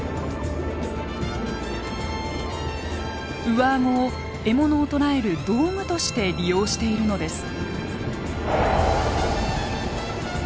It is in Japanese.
上顎を獲物を捕らえる道具として利用しているのです。